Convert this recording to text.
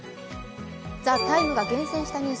「ＴＨＥＴＩＭＥ，」が厳選したニュース。